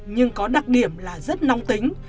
nhưng có đặc điểm là rất nóng tính